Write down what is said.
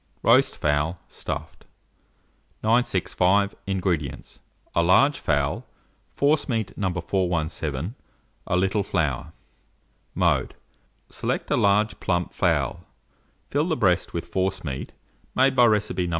ROAST FOWL, Stuffed. 965. INGREDIENTS. A large fowl, forcemeat No. 417, a little flour. Mode. Select a large plump fowl, fill the breast with forcemeat, made by recipe No.